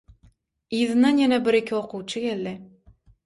Yzyndan ýene bir iki okuwçy geldi.